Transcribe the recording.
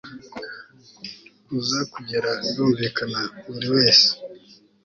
uza kugera birumvikana buriwese